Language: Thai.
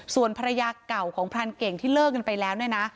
ส่วนภรรยาเก่าของพรานเก่งที่เลิกกันไปแล้วเนี่ยนะ